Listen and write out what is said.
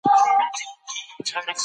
وېبپاڼې جوړې کړئ.